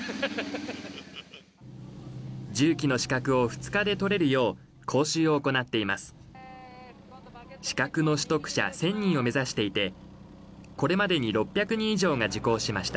重機の資格を２日で取れるよう講習を行っています。